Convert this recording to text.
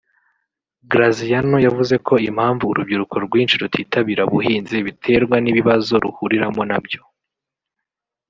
Graziano yavuze ko impamvu urubyiruko rwinshi rutitabira ubuhinzi biterwa n’ ibibazo ruhuriramo nabyo